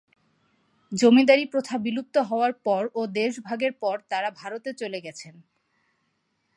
জমিদারী প্রথা বিলুপ্ত হওয়ার পর ও দেশ ভাগের পর তারা ভারতে চলে গেছেন।